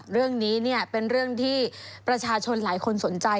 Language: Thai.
เรื่องนี้เป็นเรื่องที่ประชาชนหลายคนสนใจ